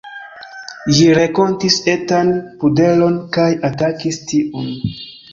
Ĝi renkontis etan pudelon kaj atakis tiun.